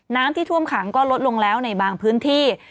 น้ำที่ท่วมขังก็ลดลงแล้วในบางพื้นที่